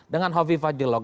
dengan hovifah jeblok